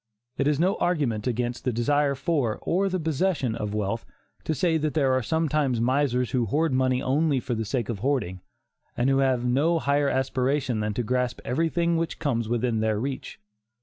It is no argument against the desire for, or the possession of wealth, to say that there are sometimes misers who hoard money only for the sake of hoarding, and who have no higher aspiration than to grasp everything which comes within their reach.